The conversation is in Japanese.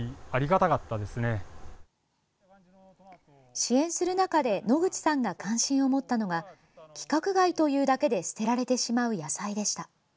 支援する中で野口さんが関心を持ったのが規格外というだけで捨てられてしまう野菜でした。